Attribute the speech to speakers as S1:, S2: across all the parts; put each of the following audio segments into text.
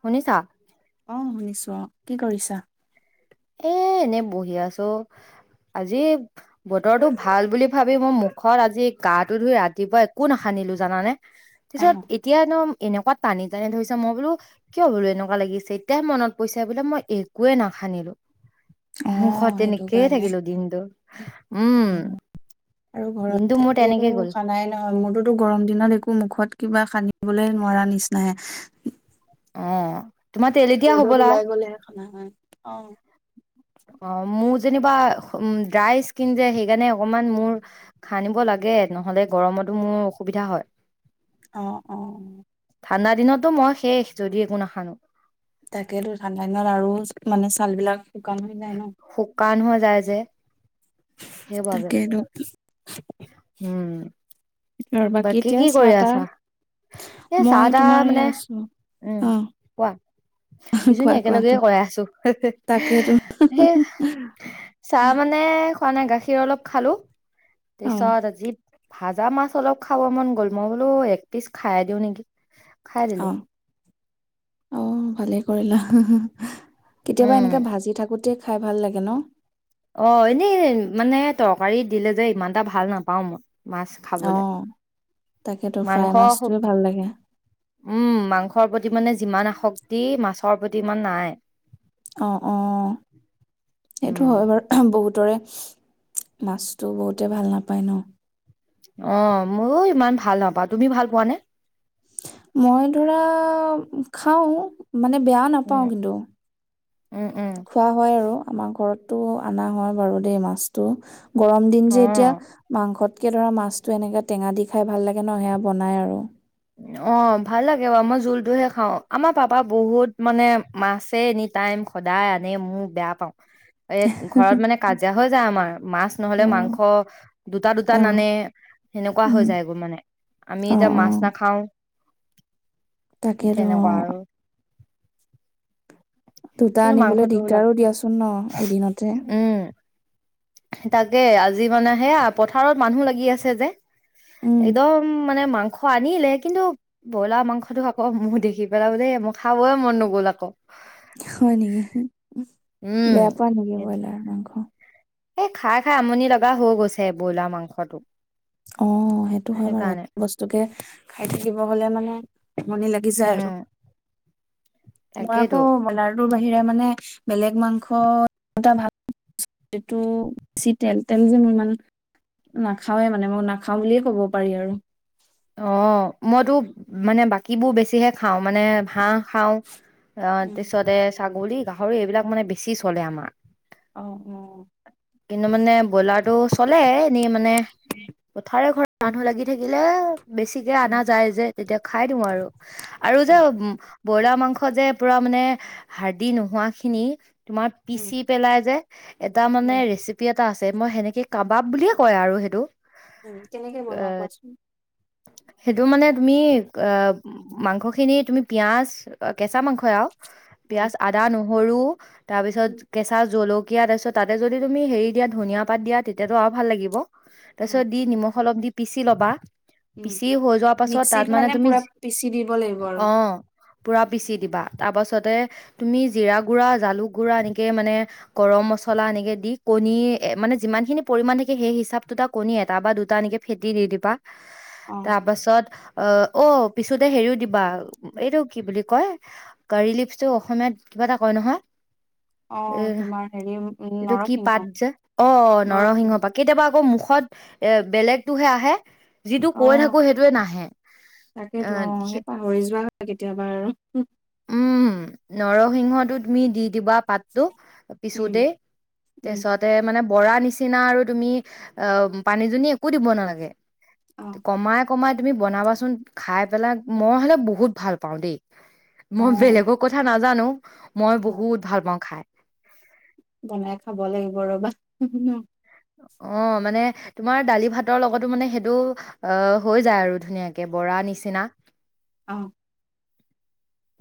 S1: শুনিছা?
S2: অ শুনিছো অ। কি কৰিছা?
S1: এ এনে বহি আছো আজি বতৰটো ভাল বুলি ভাবি মই মুখত আজি গাটো ধুই ৰাতিপুৱা একো নাসানিলো জানানে?
S2: অ
S1: তাৰপিছত এতিয়া এডম - এনেকুৱা টানি টানি ধৰিছে মই বোলো কিয় বোলো এনেকুৱা লাগিছে এতিয় মনত পৰিছে বোলে মই একোৱে নাখানিলো।
S2: অ সেইটো কাৰণে
S1: দিনটো উম
S2: আৰু
S1: দিনটো
S2: ঘৰত
S1: মোৰ
S2: থাকিলেটো
S1: তেনেকেই গ'ল
S2: সানাই নহয় মোৰটোটো গৰম দিনত একো মুখত কিবা সানি - বলে নোৱাৰা নিচিনাহে।
S1: অ তোমাৰ তেলেতীয়া
S2: ৰ'দত
S1: হবলা
S2: ওলাই গ'লেহে সনা হয়। অ।
S1: অ মোৰ- যেনিবা উ ড্ৰাই স্কিন যে সেইকাৰণে অকমান মোৰ সানিব লাগে নহলে গৰমতো মোৰ অসুবিধা হয়।
S2: অ অ।
S1: ঠাণ্ডা দিনতো মই শেষ যদি একো নাসানো।
S2: তাকেতো ঠাণ্ডা দিনত আৰু মানে ছাল বিলাক- শুকান হৈ যায় ন
S1: শুকান হৈ যায় যে। সেইবাবে
S2: তাকেটো।
S1: উম
S2: আৰু বাকী এতিয়া
S1: কি
S2: চাহ
S1: কৰি আছা
S2: তাহ,
S1: এ চাহ
S2: মই
S1: তাহ
S2: তোমাৰ এই
S1: মানে
S2: আছো
S1: উম
S2: অ'।
S1: কোৱা দুজনী
S2: কোৱা কোৱা
S1: একেলগে
S2: তো
S1: কৰাই আছো।
S2: তাকেতো
S1: সেই চাহ মানে খোৱা নাই, গাখীৰ অলপ খালোঁ।
S2: অ
S1: তে চৰ আজি ভাজা মাছ অলপ খাব মন গ'ল, মই বোলো এক পিছ খাই দিওঁ নেকি। খাই দিলোঁ।
S2: আহ ভালেই কৰিলা। কেতিয়াবা
S1: উম
S2: এনেকে ভাজি থাকোতে খাই ভাল লাগে ন?
S1: অ' এনেই মানে তৰকাৰী দিলে যে ইমান এটা ভাল নাপাও মই। মাছ খাবলৈ।
S2: অ তাকেতো ফ্ৰাই
S1: মাংস,
S2: মাছটোৱে ভাল লাগে
S1: উম মাংসৰ প্ৰতি প্ৰতি মানে যিমান আসক্তি মাছৰ প্ৰতি ইমান নাই।
S2: অ' অ' সেইটো
S1: উম,
S2: হয় বাৰু বহুতৰে। মাছটো বহুতে ভাল নাপায় ন।
S1: অ' ময়ো ইমান ভাল নাপাওঁ। তুমি ভাল পোৱানে?
S2: মই ধৰা খাও। মানে বেয়াও নাপাওঁ
S1: উম,
S2: কিন্তু
S1: উম, উম,
S2: খোৱা হয় আৰু। আমাৰ ঘৰতটো অনা হয় বাৰু দেই মাছটো। গৰম দিন যে এতিয়া,
S1: অ',
S2: মাংসত তকে ধৰা মাছটো এনেকে টেঙা দি খাই ভাল লাগে ন সেয়া বনাই আৰু।
S1: অ' ভাল লাগে বাৰু মই জোলটোহে খাও, আমাৰ পাপা বহুত মানে মাছে এনি টাইম সদায় আনে, মোৰ বেয়া পাও। এই ঘৰত মানে কাজিয়া হৈ যায় আমাৰ মাছ নহলে
S2: অ
S1: মাংস দুটা দুটা
S2: অ
S1: নানে সেনেকুৱা হৈ
S2: উম
S1: যায় মানে। আমি এতিয়া মাছ আহ।
S2: তাকে আৰু দুটা
S1: কিন্তু
S2: আনিবলৈ
S1: মাংসটো
S2: দিগদাৰো
S1: লাগে,
S2: দিয়াচোন ন এদিনতে।
S1: উম। তাকে আজি মানে সেয়া, পথাৰত মানুহ লাগি আছে যে।
S2: উম
S1: একদম মানে মাংস খুৱ আনিলে কিন্তু ব্ৰইলাৰ মাংসটো আকৌ ম দেখি পেলাব দেই মই খাবই মন নগ'ল আকৌ।
S2: হয় নেকি?
S1: উম
S2: বেয়া পোৱা নেকি ব্ৰইলাৰ মাংস?
S1: এ খাই খাই আমনি লগা হৈ গৈছে ব্ৰইলাৰ মাংসটো।
S2: অহ সেইটো হয় বাৰু এক
S1: সেইকাৰণে
S2: বস্তুকে খাই থাকিব হলে মানে। আমনি লাগি যায় আৰু।
S1: উম
S2: মই
S1: তাকেইতো
S2: আকৌ ব্ৰয়লা। তোৰ বাহিৰে মানে বেলেগ মাংস একোটা তো বেছি তেল তেল যে মই ইমান নাখাওৱে মানে মই নাখাওঁ বুলিয়ে ক'ব পাৰি আৰু।
S1: অহ মইতো। মানে বাকীবো বেছিহে খাওঁ মানে হাঁহ। খাওঁ অহ
S2: উম,
S1: তাৰপিছতে ছাগলী। গাহৰি এইবিলাক মানে বেছি চলে আমাৰ।
S2: অ', অ',
S1: কিন্তু মানে ব্ৰয়ইলাৰটো। চলে এনেই ম মানে পোঠাৰ ঘৰত। [unintelligible] মানুহ লাগি থাকিলে। বেছিকে
S2: উম,
S1: আনা যায় যে। তেতিয়া খাই দিওঁ আৰু আৰু যে
S2: অ',
S1: উম। ব্ৰইলাৰ মাংস যে পুৰা মানে হাৰ্দিি নোহোৱা খিনি। তোমাৰ
S2: উম,
S1: পিচি পেলাই যে এটা মানে
S2: উম,
S1: ৰেচিপি এ এটা আছে মই সেনেকে কাবাব বুলিয়ে কয় আৰু সেইটো।
S2: উম কেনেকে
S1: এ
S2: বনোৱা কোৱাচোন?
S1: সেইটো মানে তুমি মাংসখিনি তুমি পিঁয়াজ কেঁচা মাংস আৰু
S2: উম,
S1: পিয়াাজ আদ নো নেহৰু তাৰপিছত
S2: উম,
S1: কেঁচা জলুক কীয়া তাৰপিছ তাতে যদি তুমি হৰি দা ধনীয়া পাত দিয়া তেতিয়াতো আৰু ভাল লাগিব। তাৰপিছত
S2: অ',
S1: দি নিমখ অলপ দি। পিচি ল'বা।
S2: উম,
S1: পিচি হৈ যোৱাৰ পাছত তাত
S2: মিক্সিত মানে
S1: তুমি
S2: পুৰা পিচি দিব লাগিব
S1: অ
S2: আৰু।
S1: পুৰা পিচি দিবা, তাৰ পাছতে তুমি জিৰা গুড়া, জালুক গুড়া, এনেকে মানে গৰম মছলা, এনেকে দি কণী মানে যিমানখিনি পৰিমান থাকে সেই হিচাপটোটে কণী এটা বা দুটা এনেকে ফেটি দি দিবা।
S2: অ',
S1: তাৰ পাছত অ', অ' পিছোতে হেৰিও দিবা, এইটো কি বুলি কয় কাৰী লিপচটো অসমীয়াত কিবা এটা কয় নহয়।
S2: অ',
S1: এহ্,
S2: তোমাৰ হেৰি উম,
S1: এইটো কি
S2: নৰসিংহ,
S1: পাত যে, অ' নৰসিংহ পাত, কেতিয়াবা আকৌ মুখ বেলেগটো হে আহে। যিটো কৈ
S2: অ'
S1: থাকো সেইটোৱে নাহে
S2: তাকেইেতো অ'
S1: এ
S2: সেই পাহৰি যোৱা হয় কেতিয়াবা আৰু।
S1: উম নৰসিংহটো তুমি দি দিবা পাতটো।
S2: উম,
S1: পিছোতে,
S2: উম,
S1: তাৰছতে মানে বৰা নিচিনা আৰু তুমি, অ' পানীচানী একো দিব নালাগে,
S2: অ',
S1: কমাই কমাই তুমি বনাবাচোন, খাই পেলাই মই হ'লে বহুত ভাল পাওঁ দেই। মই
S2: অ',
S1: বেলেগৰ কথা নাজো নাজানো। মই
S2: অ',
S1: বহুত ভাল পাওঁ খাই।
S2: বনাই খাব লাগিব ৰ'বা।
S1: অ' মানে তোমাৰ দালি ভাতৰ লগতো মানে সেইটো অ' হৈ যায় আৰু ধুনীয়াকে বৰা নিচিনা।
S2: আহ।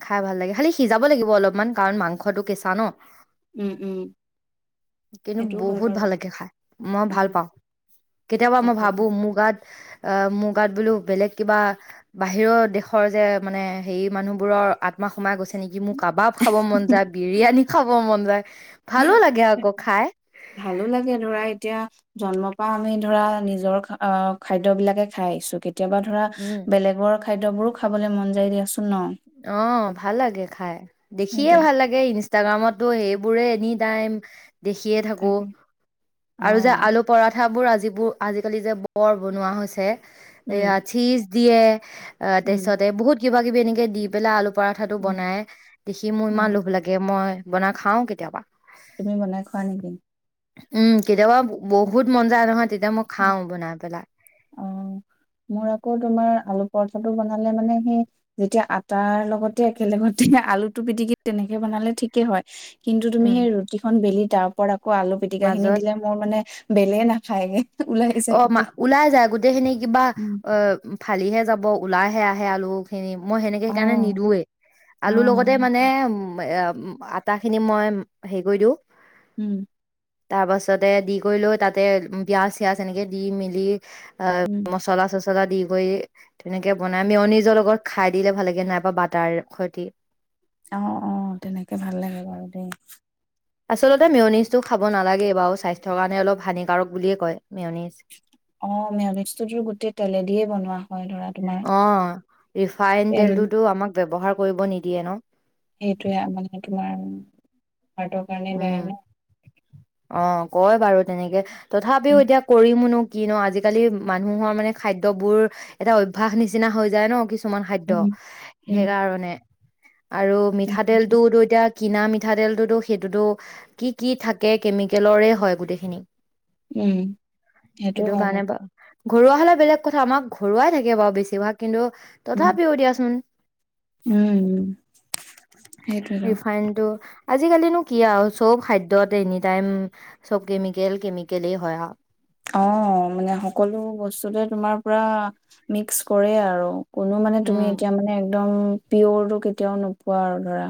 S1: খাই ভাল লাগে খালি সিজাব লাগিব অলপমান, কাৰণ মাংসটো কেঁচা ন।
S2: উম, উম,
S1: কিন্তু
S2: সেইটো হয়
S1: বহুত
S2: বাৰু
S1: ভাল লাগে খাই, মই
S2: উম,
S1: ভাল পাওঁ। কেতিয়াবা মই
S2: তাকেতো
S1: ভাবো মোৰ গাত অ' মোৰ গাত বোলো বেলেগ কিবা বাহিৰৰ দেশৰ যে মানে হেৰি মানুহ বোৰৰ আত্মা সোমাই গৈছে। মোৰ কাবাব খাব মন যায়, বিৰিয়ানী খাব মন যায়। ভালো লাগে আকৌ খাই
S2: ভালো লাগে ধৰা এতিয়া। জন্মৰ পৰা আমি ধৰা নিজৰ আহ খাদ্য বিলাকে খাই আহিছো কে। কেতিয়াবা ধৰা
S1: উম
S2: বেলেগৰ খাদ্যবোৰো খাবলৈ মন যায় দিয়াচোন। ন
S1: অ' ভাল লাগে খাই, দেখিয়ে
S2: সেইটোৱে
S1: ভাল লাগে ইনষ্টাগ্ৰামত। তো সেইবোৰে এনি টাইম দেখিয়ে থাকো,
S2: তাকে
S1: আৰু যে
S2: অ',
S1: আলু পঠাবোৰ আজি যিবোৰ আজিকালি যে বৰ বনোৱা হৈছে।
S2: উম,
S1: এয়া চি দিয়ে। অ'
S2: উম,
S1: তাৰিছতে বহুত কিবা কিব এনেকৈ দি পেলাই পৰাঠাটো
S2: উম,
S1: বনাই দেখি মোৰ ইমান
S2: অ',
S1: লোভ লাগে। মই বনাই খাওঁ কেতিয়াবা।
S2: তুমি বনাই খোৱা নেকি?
S1: উম কেতিয়াবা বহুত মন যায় নহয়। তেতিয়া মই খাও বনাই পেলাই
S2: অ' মোৰ আকৌ তোমাৰ আলু পৰঠা [unintelligible] বনালে মানে সেই যেতিয়া আটাৰ লগতে একেলগতে আলুটো পিটিকি তেনেকে বনালে ঠিকেই হয় কিন্তু তুমি
S1: উম
S2: সেই ৰুটিখন বেলি তাৰ পৰা আকৌ আলু পিটিকা খিনি
S1: মাজত
S2: দিলে মোৰ মানে বেলে নাখায় গে
S1: অ', মা ওলাই যায় গোটেই খিনি কিবা
S2: উম
S1: অ' ফালিহে যাব ওলাই সে আহে আলু [unintelligible] মই সেনেকে
S2: অ
S1: সেইকাৰণে নিদোয়ে
S2: অ
S1: আলুৰ লগতে মানে
S2: সেইটো
S1: উম আটা খিনি মই হেৰি কৰি দিওঁ।
S2: উম।
S1: তাৰ পাছতে দি কৰি লৈ তাতে পিয়াজ পিয়াজ এনেকে দি মেলি অ
S2: উম
S1: মচলা চচ লা দি কৰি ধুনীয়া কে বনাই নিজৰ লগত খাই দিলে ভাল লাগে নাই পা বাটাৰ খতি।
S2: আহ অ তেনেকে ভাল লাগে বাৰু দেই।
S1: আচলতে মেয়নিজটো খাব নালাগে বাৰু স্বাস্থ্যৰ কাৰণে অলপ হানিকাৰক বুলিয়ে কয়। মেয়নিজ
S2: অ মেইনিছটো গোটেই তেলে দিয়ে বনোৱা হয় ধৰা। তোমাৰ
S1: অ ৰিফাইন
S2: তেল
S1: তেলটোতো আমাক ব্যৱহাৰ কৰিব নিদিয়ে ন।
S2: সেইটোৱে মানে তোমাৰ পেটৰ কাৰণে বেয়া
S1: উম
S2: যে।
S1: অ কয় বাৰু তেনেকে
S2: উম
S1: তথাপিও এতিয়া কৰিমনো কি ন আজিকালি মানুহৰ মানে খাদ্য বোৰ এটা অভ্যাস নিচিনা হৈ যায় ন কিছু কিছুমান খাদ্য
S2: উম উম
S1: সেইকাৰণে আৰু
S2: তাকেটো।
S1: মিঠাতেলটো দুইতিয়া কিনা মিঠাতেলটো দোখ সেইটোতো কি কি থাকে? কেমিকেলৰে হয় গোটেইখিনি।
S2: উম সেইটো হয়
S1: কাৰণে বা ঘৰুৱা হ'লে বেলেগ কথা, আমাক ঘৰুৱাই থাকে বাৰু বেছিভাগ কিন্তু
S2: উম
S1: তথাপিও দিয়াচোন-
S2: উম। সেইটোৱেতো
S1: ফাইণ্ড তো আজিকালিনো কি আৰু চব খাদ্যত এনি টাইম চব কেমিকেল কেমিকলে হয় আৰু
S2: অঁ মানে সকলো বস্তুতে তোমাৰ পৰা মিক্স কৰে আৰু কোনো মানে তুমি
S1: উম
S2: এতিয়া মানে একদম পিয়ৰটো কেতিয়াও নোপোৱা আৰু ধৰা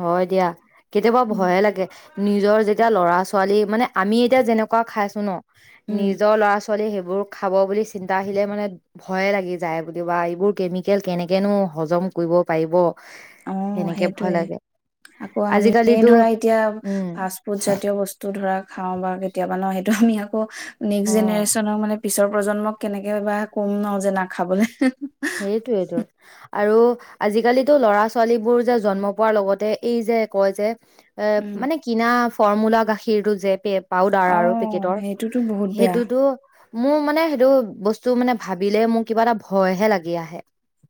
S1: হয় দিয়া। কেতিয়াবা
S2: উম
S1: ভয়ে লাগে নিজৰ যেতিয়া ল'ৰা ছোৱালী মানে আমি এতিয়া যেনেকুৱা খাইছো ন
S2: উম,
S1: নিজৰ ল'ৰা ছোৱালী লৰা ছোৱালী সেইবোৰ খাব বুলি চিন্তা আহিলে মানে ভয়ে লাগি যায় কিবা এইবোৰ কেমিকেল কেনেকেনো হজম কৰিব পাৰিব।
S2: অ
S1: সেনেকে ভয়
S2: সেইটোয়ে
S1: লাগে।
S2: আকৌ আমি
S1: আজিকালিতো
S2: ধৰা এতিয়া
S1: উম
S2: ফাষ্ট ফুড জাতীয় বস্তু ধৰক খাওঁ বাৰো কেতিয়াবা ন [unintelligible] আক নেক্স
S1: অ
S2: জেনেৰেশ্যনৰ মানে পিছৰ প্ৰজন্মক কেনেকে বা কম আৰু যে নাখাবলে।
S1: ত ল'ৰা, ছোৱালীবোৰ যে জন্ম পোৱাৰ লগতে, এই যে কয় যে অ',
S2: উম
S1: মানে কিনা ফৰ্মুলা গাখীৰটো যে পেপ পাউদাৰ
S2: অ
S1: আৰু পেকেটৰ,
S2: সেইটোতো বহুত বেয়া
S1: সেইটোতো মোৰ মানে সেইটো বস্তু মানে ভাবিলে মোৰ কিবা এটা ভয়হে লাগে। লাগি আহে।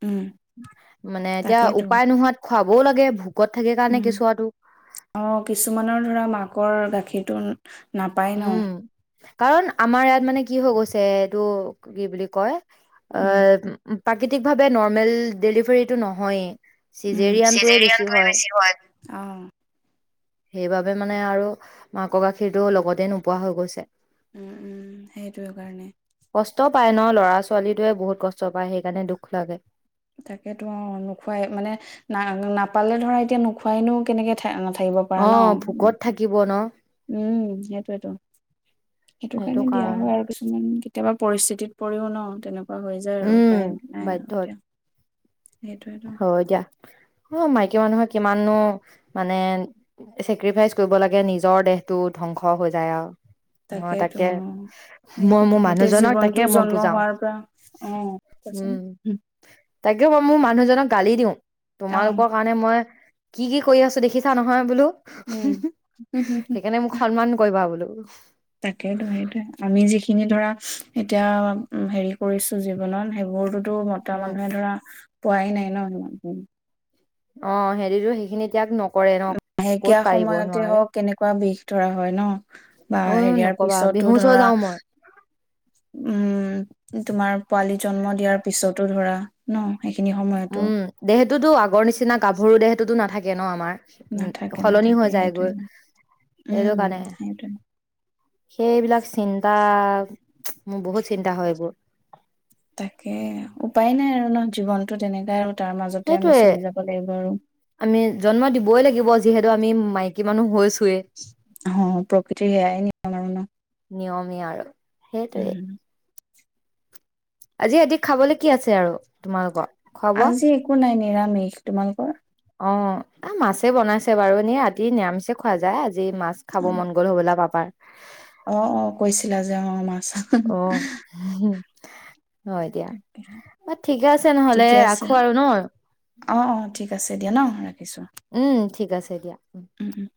S2: উম
S1: মানে এতিয়া
S2: তাকেইতো
S1: উপায় নোহোৱাত খাবও লাগে ভোখো
S2: উম। অ', কিছুমানৰ ধৰা মাকৰ গাখীৰ তো নাপায় ন।
S1: উম কাৰণ আমাৰ ইয়াত মানে কি হৈ গৈছে, এইটো কি বুলি কয় অ', উম প্ৰাকৃতিকভাৱে নৰ্মেল ডেলিভাৰীটো নহয়েই।
S2: উম,
S1: চিজেৰিয়ানটোৱে বেছি হয়
S2: অঁ।
S1: সেইবাবে মানে আৰু মাকৰ গাখীৰতটো লগত তে নোপোৱা হৈ গৈছে।
S2: উম, উম সেইটোয়ে কাৰণে।
S1: কষ্ট পায় ন ল'ৰা ছোৱালীটোৱে বহুত কষ্ট পায়, সেইকাৰণে দুখ লাগে।
S2: তাকেতো অ', নোখোৱাই মানে না নাপালে ধৰা এতিয়া নোখোৱাইনো কেনেকে নাথাকিব পাৰা ন
S1: অ', ভোকত থাকিব ন।
S2: উম, সেইটোয়েইটো। সেইটো কাৰণে দিয়া হয় আৰু কিছুমান। উম, কেতিয়াবা পৰিস্থিতিত পৰিও ন তেনেকুৱা। অ হৈ যায় আৰু
S1: উম,
S2: উপায় নাই আৰু
S1: বাধ্যত
S2: এতিয়া। সেইটোয়েতো
S1: হয় দিয়া। অ', মাইকী মানুহৰ কিমানো মানে চেক্ৰিফাইচ কৰিব লাগে নিজৰ দেহটো ধ্বংস হৈ যায় আৰু। মই
S2: তাকেইতো
S1: তাকে
S2: অ,
S1: মই
S2: সেইটোয়েইটো।
S1: মোৰ
S2: গোটেই
S1: মানুহজনক তাকে
S2: জীৱনটো
S1: মই
S2: জন্ম
S1: বুজাও।
S2: হোৱাৰ পৰা, অ',
S1: উম,
S2: কোৱাচোন।
S1: তাকে মই মোৰ মানুহজনক গালি দিওঁ।
S2: অ
S1: তোমালোকৰ কাৰণে মই কি-কি কৰি আছো দেখিছা নহয় বোলো।
S2: উম উম, হুম, হুম,
S1: সেইকাৰণে মোক সন্মান কৰিবা বোলো। উফ
S2: তাকেইতো সেইটোয়ে আমি যি খিনি ধৰা এতিয়া হেৰি কৰিছো জীৱনত সেইবোৰতো। টো মতা
S1: উম,
S2: মানুহে ধৰা পোৱাই নাই ন
S1: অ হেৰিতো সেইখিনি তাগ নক
S2: মাহেকীয়া সময়তে হওক কেনেকুৱা বিষ ধৰা হয় ন বা
S1: অ'
S2: হেৰিয়াৰ
S1: নকবা
S2: পিছতো
S1: বিহু ওচৰ
S2: ধৰা
S1: যাও মই।
S2: উম তোমাৰ পোৱালি জন্ম দিয়াৰ পিছতো ধৰা। ন সেইখিনি সময়তো
S1: উম দেহত। টোতো আগৰ নিচিনা গাভৰু দেহততো নাথাকে ন আমাৰ।
S2: নাথাকে
S1: উ সলনি
S2: নাথাকে
S1: হৈ যায়
S2: সেইটোৱে
S1: গৈ
S2: উম,
S1: সেইটো কাৰণে
S2: সেইটোৱে
S1: সেইবিলাক চিন্তা। মোৰ বহুত চিন্তা হয় সেইবোৰ।
S2: তাকে উপায় নাই আৰু নহ জীৱনতো তেনেকা আৰু তাৰ মাজতে আমি
S1: সেইটোৱে
S2: চলি যাব লাগিব আৰু
S1: আমি জন্ম দিবই লাগিব। যিহেতু আমি মাইকী মানুহ হৈ
S2: অ প্ৰকৃতিৰ সেয়াই নিয়ম আৰু ন।
S1: নিয়মেই আৰু। সেইটোৱে,
S2: উম,
S1: আজি সিহঁতি খাবলৈ কি আছে আৰু তোমালোকৰ খোৱা বোৱা?
S2: আজি একো নাই-নাই। নিবামিখ' তোমালোকৰ
S1: অ মাছে বনাইছে বাৰু এনে ৰাতি নিৰামিছে খোৱা যায় আজি। আজি মাছ খাব মন গ'ল হ'বলা পাপাৰ।
S2: অ-অ কৈছিলা যে অ' মা
S1: অ'। [inaudible] হয় দিয়া।
S2: তাকে
S1: অ' ঠিকে আছে নহ'লে
S2: ঠিকে আছে
S1: ৰাখো আৰু ন,
S2: অ অ ঠিক আছে দিয়া ন ৰাখিছো
S1: উম। ঠিক আছে দিয়া।
S2: উম উম।